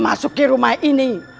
masuk ke rumah ini